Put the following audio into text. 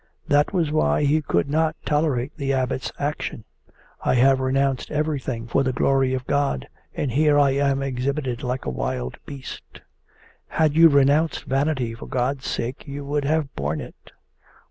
That was why he could not tolerate the Abbot's action. 'I have renounced everything for the glory of God, and here I am exhibited like a wild beast!' 'Had you renounced vanity for God's sake you would have borne it.